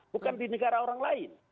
bukan di negara orang lain